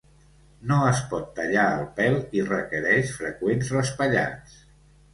No es pot tallar el pèl i requereix freqüents raspallats.